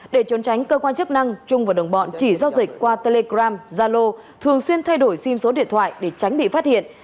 để trốn tránh cơ quan chức năng trung và đồng bọn chỉ giao dịch qua telegram zalo thường xuyên thay đổi sim số điện thoại để tránh bị phát hiện